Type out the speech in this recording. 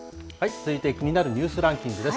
続いて気になるニュースランキングです。